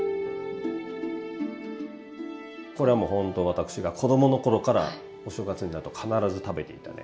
これはもうほんと私が子供の頃からお正月になると必ず食べていたね